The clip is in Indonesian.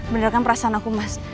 bener kan perasaan aku mas